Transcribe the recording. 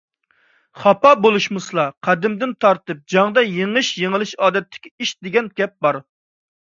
خاپا بولۇشمىسىلا. قەدىمدىن تارتىپ «جەڭدە يېڭىش - يېڭىلىش ئادەتتىكى ئىش» دېگەن گەپ بار.